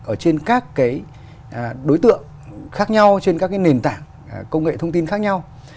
ở trên các cái đối tượng khác nhau trên các cái nền tảng công nghệ thông tin khác nhau